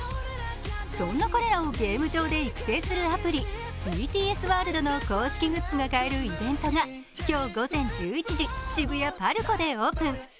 そんな彼らをゲーム上で育成するアプリ、ＢＴＳＷＯＲＬＤの公式グッズが買えるイベントが今日午前１１時渋谷ＰＡＲＣＯでオープン。